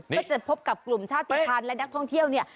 ก็จะพบกับกลุ่มชาติภัณฑ์และนักท่องเที่ยวเนี่ย